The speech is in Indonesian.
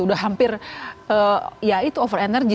udah hampir ya itu over energy